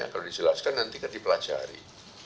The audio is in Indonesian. kalau dijelaskan nanti kan dipelajari